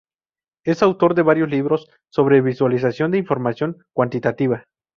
Es autor de varios libros sobre visualización de información cuantitativa.